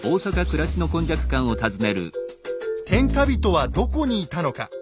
天下人はどこにいたのか。